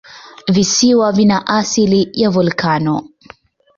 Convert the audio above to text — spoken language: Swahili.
Visiwa vina asili ya volikano.